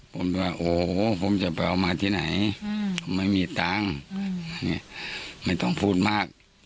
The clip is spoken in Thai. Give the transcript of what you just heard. ผมจะว่าโอ้ผมจะไปเอามาที่ไหนไม่มีตังค์ไม่ต้องพูดมาก